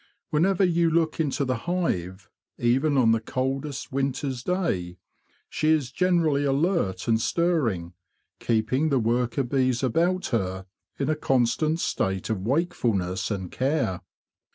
Whenever you look into the hive, even on the coldest winter's day, she is generally alert and stirring, keeping the worker bees about her in a constant state of wakefulness and care.